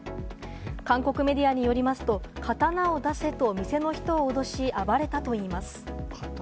韓国メディアによりますと、刀を出せと店の人を脅し、暴れたといいます。